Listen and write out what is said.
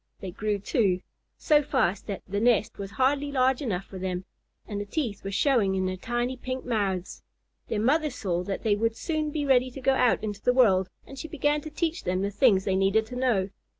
They grew, too, so fast that the nest was hardly large enough for them, and the teeth were showing in their tiny pink mouths. Their mother saw that they would soon be ready to go out into the world, and she began to teach them the things they needed to know.